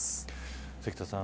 関田さん